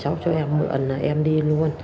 cháu cho em mượn là em đi luôn